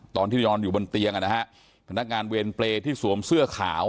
ตอนที่เรารอดอยู่บนเตียงพนักงานเวรเปลย์ที่ที่สวมเสื้อขาว